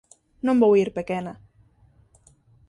Non vou ir, pequena.